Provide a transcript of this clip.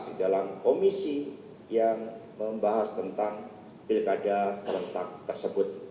di dalam komisi yang membahas tentang pilkada serentak tersebut